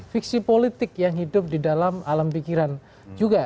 fiksi politik yang hidup di dalam alam pikiran juga